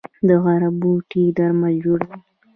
د غره بوټي درمل جوړوي